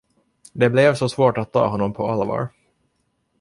Det blev så svårt att ta honom på allvar.